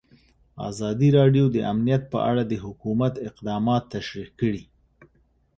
ازادي راډیو د امنیت په اړه د حکومت اقدامات تشریح کړي.